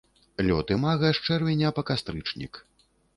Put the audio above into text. Лёт імага з чэрвеня па кастрычнік.